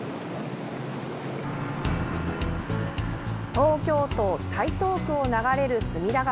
東京都台東区を流れる隅田川。